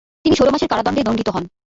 তিনি ষোল মাসের কারাদণ্ডে দণ্ডিত হন।